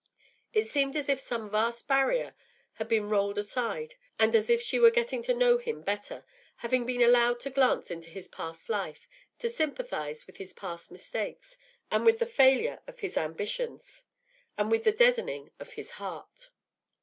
It seemed as if some vast barrier had been rolled aside, and as if she were getting to know him better, having been allowed to glance into his past life, to sympathise with his past mistakes, and with the failure of his ambitions, and with the deadening of his heart.